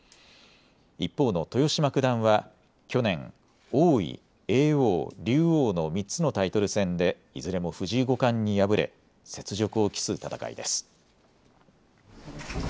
一方の豊島九段は去年王位、叡王、竜王の３つのタイトル戦でいずれも藤井五冠に敗れ雪辱を期す戦いです。